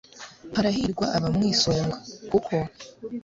harahirwa abamwisunga, kuko